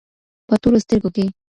په تورو سترګو کي